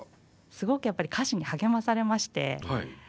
すごくやっぱり歌詞に励まされまして。